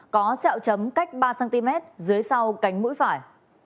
sống cách ba cm dưới sau cánh mũi phải